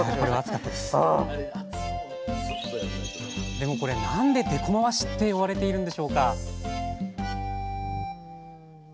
でもこれなんで「でこまわし」って呼ばれているんでしょうか？